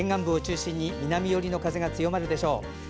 沿岸部を中心に南寄りの風でしょう。